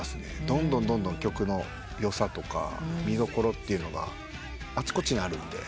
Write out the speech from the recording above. どんどんどんどん曲のよさとか見どころっていうのがあちこちにあるんで。